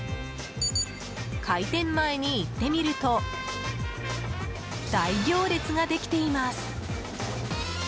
開店前に行ってみると大行列ができています。